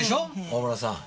大洞さん